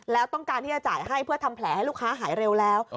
แล้วต้องการที่จะจ่ายให้เพื่อทำแผลให้ลูกค้าหายเร็วแล้ว